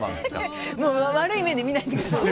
悪い目で見ないでください。